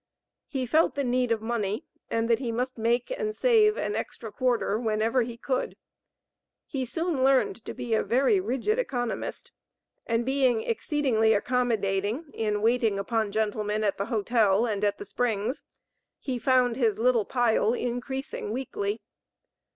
He felt the need of money and that he must make and save an extra quarter whenever he could; he soon learned to be a very rigid economist, and being exceedingly accommodating in waiting upon gentlemen at the hotel and at the springs, he found his little "pile" increasing weekly.